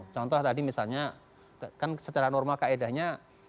contoh tadi misalnya kan secara norma kaedahnya